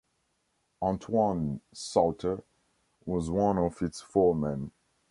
Antoine Sauter was one of its foremen.